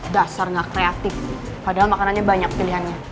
dasar gak kreatif padahal makanannya banyak pilihannya